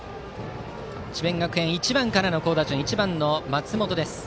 智弁学園１番からの好打順１番、松本です。